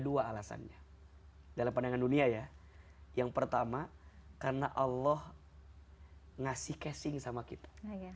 dua alasannya dalam pandangan dunia ya yang pertama karena allah ngasih casing sama kita